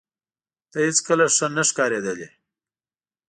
ته هیڅکله ښه نه ښکارېدلې